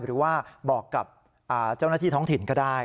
หรือว่าบอกกับเจ้าหน้าที่ท้องถิ่นก็ได้